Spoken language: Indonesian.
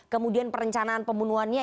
kemudian perencanaan pembunuhannya